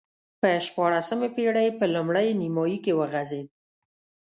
په شپاړسمې پېړۍ په لومړۍ نییمایي کې وغځېد.